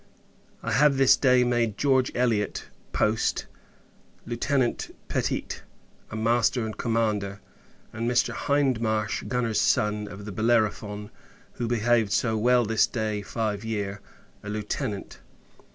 I have this day made George Elliot, post; Lieutenant Pettit, a master and commander; and Mr. Hindmarsh, gunner's son, of the Bellerophon, who behaved so well this day five year, a Lieutenant.